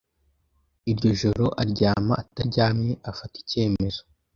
Iryo joro aryama ataryamye, afata ikemezo